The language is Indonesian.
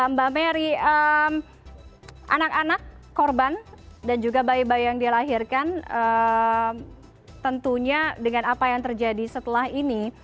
mbak merry anak anak korban dan juga bayi bayi yang dilahirkan tentunya dengan apa yang terjadi setelah ini